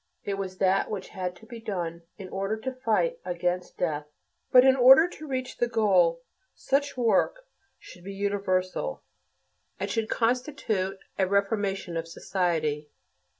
It was that which had to be done in order to fight against death. But, in order to reach the goal, such work should be universal, and should constitute a "reformation" of society.